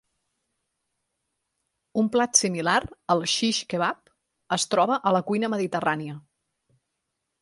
Un plat similar, el xix kebab, es troba a la cuina mediterrània.